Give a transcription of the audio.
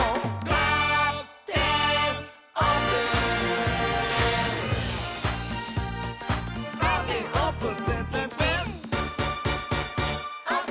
「カーテンオープンプンプンプン」「オープン！」